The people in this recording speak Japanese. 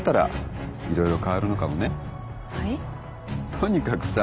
とにかくさ